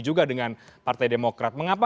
juga dengan partai demokrat mengapa